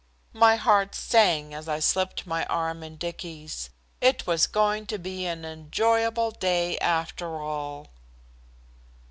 My heart sang as I slipped my arm in Dicky's. It was going to be an enjoyable day after all.